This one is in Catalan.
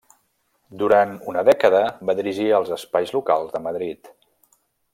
Durant una dècada va dirigir els espais locals de Madrid.